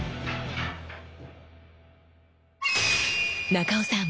中尾さん